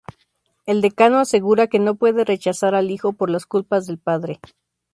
El Decano asegura que no puede rechazar al hijo por las culpas del padre.